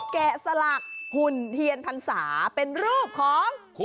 แกะสลักหุ่นเทียนพรรษาเป็นรูปของ